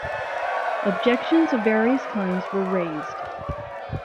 Objections of various kinds were raised.